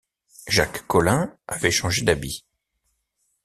Jacques Collin avait changé d’habits.